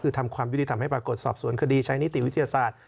คือทำความยุติธรรมให้ปรากฏสอบสวนคดีใช้นิติวิทยาศาสตร์